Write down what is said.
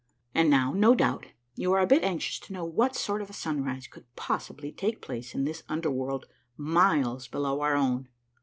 And now, no doubt, you are a bit anxious to know what sort of a sunrise could possibly take place in this under world miles below our own.